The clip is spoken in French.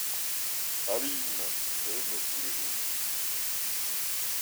Abîmes, que me voulez-vous ?